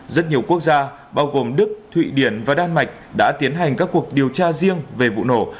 rất nhiều quốc gia bao gồm đức thụy điển và đan mạch đã tiến hành các cuộc điều tra riêng về vụ nổ